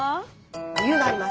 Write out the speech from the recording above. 理由があります。